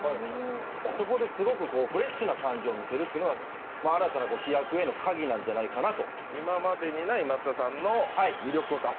そこですごくフレッシュな感じを見せるというのが新たな飛躍への鍵なんじゃないかなと。